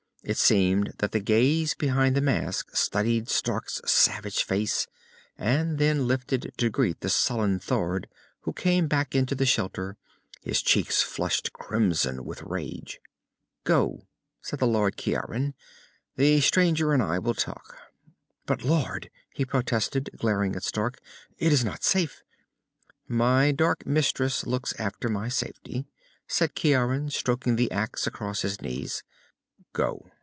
It seemed that the gaze behind the mask studied Stark's savage face, and then lifted to greet the sullen Thord who came back into the shelter, his cheeks flushed crimson with rage. "Go," said the Lord Ciaran. "The stranger and I will talk." "But Lord," he protested, glaring at Stark, "it is not safe...." "My dark mistress looks after my safety," said Ciaran, stroking the axe across his knees. "Go."